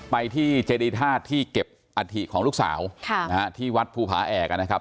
ไปที่เจดีธาตุที่เก็บอัฐิของลูกสาวที่วัดภูผาแอกนะครับ